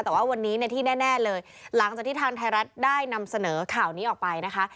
แต่ว่าวันนี้ที่แน่เลยหลังจากที่ทางไทยรัฐได้นำเสนอข่าวนี้ออกไปนะคะ